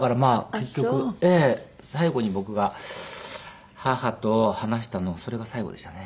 結局最後に僕が母と話したのそれが最後でしたね。